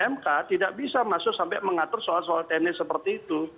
mk tidak bisa masuk sampai mengatur soal soal teknis seperti itu